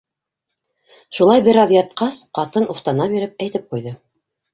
Шулай бер аҙ ятҡас, ҡатын, уфтана биреп, әйтеп ҡуйҙы: